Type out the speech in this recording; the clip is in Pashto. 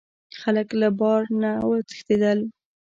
خلک له بار نه وتښتیدل.